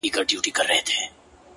دوى خو” له غمه څه خوندونه اخلي”